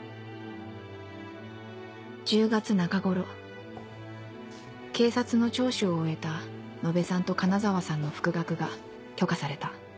１０月中ごろ警察の聴取を終えた野辺さんと金澤さんの復学が許可された